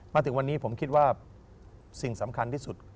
มาถึงวันนี้ผมคิดว่าสิ่งสำคัญที่สุด